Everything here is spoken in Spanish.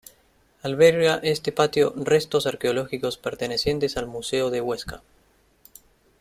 Alberga este patio restos arqueológicos pertenecientes al Museo de Huesca.